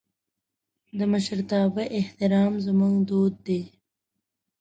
د مشرتابه احترام زموږ دود دی.